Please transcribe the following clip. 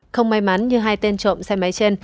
không may mắn như hai tên trộm xe máy trên